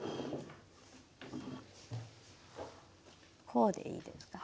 こうでいいですか？